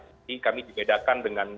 jadi kami dibedakan dengan